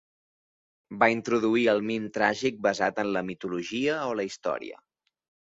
Va introduir el mim tràgic basat en la mitologia o la història.